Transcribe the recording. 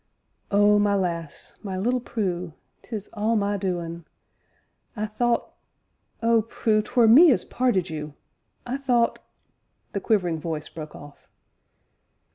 "Oh, my lass! my little Prue 'tis all my doin'. I thought Oh, Prue, 'twere me as parted you! I thought " The quivering voice broke off.